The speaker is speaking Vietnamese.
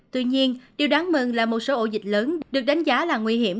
tuy nhiên điều đáng mừng là một số ổ dịch lớn được đánh giá là nguy hiểm